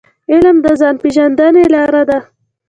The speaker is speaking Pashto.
علم د ځان پېژندني لار ده.